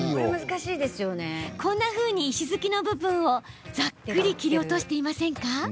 こんなふうに、石づきの部分をざっくり切り落としていませんか。